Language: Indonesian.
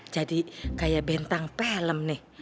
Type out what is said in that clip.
jadi kayak bentang pelem nih